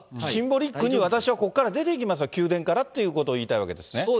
シンボリックに、私はここから出ていきます、宮殿からということを言いたいわけですね。